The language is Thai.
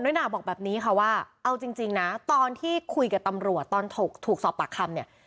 หนาบอกแบบนี้ค่ะว่าเอาจริงนะตอนที่คุยกับตำรวจตอนถูกสอบปากคำเนี่ย